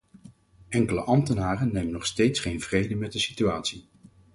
Enkele ambtenaren nemen nog steeds geen vrede met de situatie.